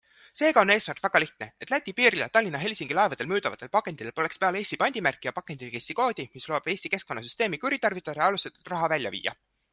Seega on eesmärk väga lihtne - et Läti piiril ja Tallinna-Helsingi laevadel müüdavatel pakenditel poleks peal Eesti pandimärki ja pakendiregistrikoodi, mis lubab Eesti keskkonnasüsteemi kuritarvitada ja alusetult raha välja viia.